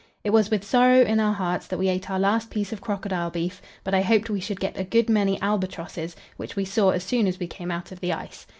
It was with sorrow in our hearts that we ate our last piece of "crocodile beef," but I hoped we should get a good many albatrosses, which we saw as soon as we came out of the ice.